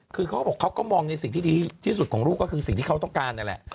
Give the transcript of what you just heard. คือเขาก็บอกเขาก็มองในสิ่งที่ดีที่สุดของลูกก็คือสิ่งที่เขาต้องการนั่นแหละ